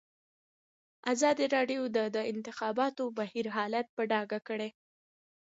ازادي راډیو د د انتخاباتو بهیر حالت په ډاګه کړی.